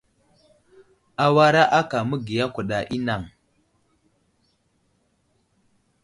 Awara aka məgiya kuɗa i anaŋ.